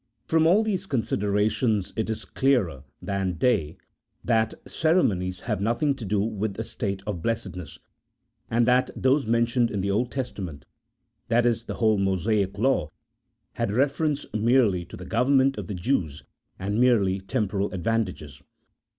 From all these considerations it is clearer than day that ceremonies have nothing to do with a state of blessedness, and that those mentioned in the Old Testament, i.e. the whole Mosaic Law, had reference merely to the government of the Jews, and merely temporal advantages.